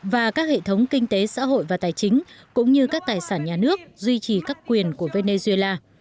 và các hệ thống kinh tế xã hội và tài chính cũng như các tài sản nhà nước duy trì các quyền của venezuela